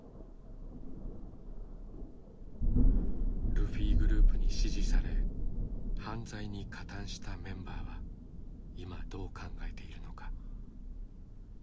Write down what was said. ルフィグループに指示され犯罪に加担したメンバーは今どう考えているのか。